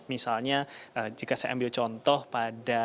misalnya jika saya ambil contoh pada